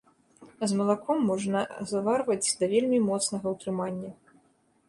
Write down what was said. А з малаком можна заварваць да вельмі моцнага ўтрымання.